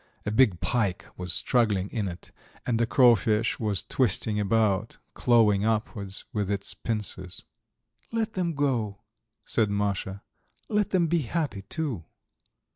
A big pike was struggling in it, and a cray fish was twisting about, clawing upwards with its pincers. "Let them go," said Masha. "Let them be happy too."